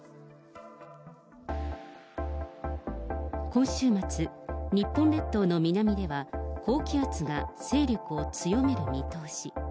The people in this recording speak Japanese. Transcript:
今週末、日本列島の南では、高気圧が勢力を強める見通し。